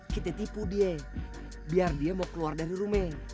kita tipu dia biar dia mau keluar dari rumah